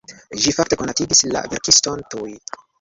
Ĝi fakte konatigis la verkiston tuj.